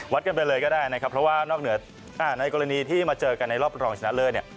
กันไปเลยก็ได้นะครับเพราะว่านอกเหนือในกรณีที่มาเจอกันในรอบรองชนะเลิศเนี่ย